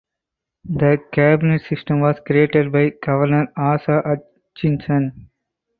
The cabinet system was created by Governor Asa Hutchinson.